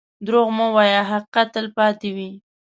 دروغ مه وایه، حقیقت تل پاتې وي.